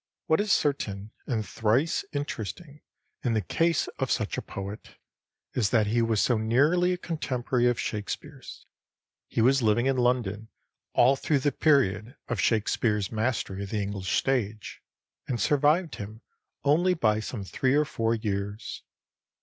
What is certain, and thrice interesting in the case of such a poet, is that he was so nearly a contemporary of Shakespeare's. He was living in London all through the period of Shakespeare's mastery of the English stage, and survived him only by some three or four years.